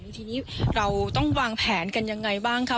ทีนี้เราต้องวางแผนกันยังไงบ้างคะ